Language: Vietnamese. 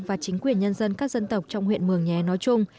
và chính quyền nhân dân các dân tộc trong huyện mường nhé nói chung